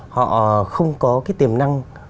họ không có tiềm năng